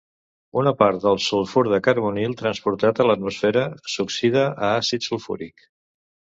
Una part del sulfur de carbonil transportat a l'estratosfera s'oxida a àcid sulfúric.